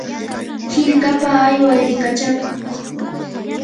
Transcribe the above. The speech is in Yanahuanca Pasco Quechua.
hirkapa ayway rikachakuq.